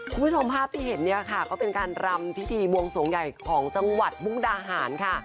คุณผู้ชมภาพที่เห็นเนี่ยค่ะก็เป็นการรำพิธีบวงสวงใหญ่ของจังหวัดมุกดาหารค่ะ